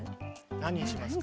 何にしますか？